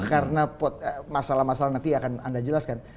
karena masalah masalah nanti akan anda jelaskan